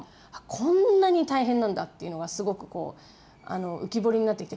こんなに大変なんだっていうのがすごくこう浮き彫りになってきて。